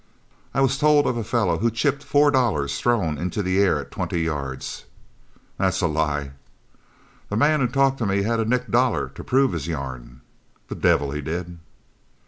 "I was told of a fellow who chipped four dollars thrown into the air at twenty yards." "That's a lie." "The man who talked to me had a nicked dollar to prove his yarn." "The devil he did!"